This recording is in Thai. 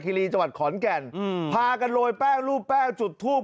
เผิมมันจาคิรีจขอนแก่นพากันโรยแป้งรูปแป้งจุดทูป